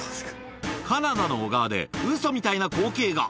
カナダの小川で、ウソみたいな光景が。